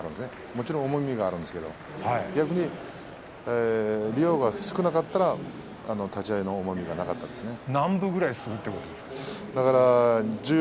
もちろん重みもあるんですけれど逆に吸った量が少なかったら立ち合いの重みがないですね。